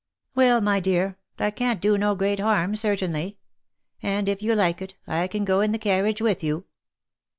" Well, my dear, that can't do no great harm, certainly; and, if you like it, I can go in the carriage with you."